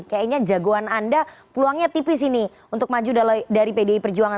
kayaknya jagoan anda peluangnya tipis ini untuk maju dari pdi perjuangan